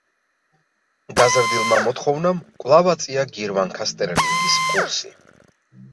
გაზრდილმა მოთხოვნამ კვლავ აწია გირვანქა სტერლინგის კურსი.